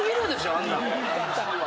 あんなん。